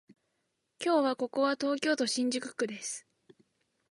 今日はここは東京都新宿区です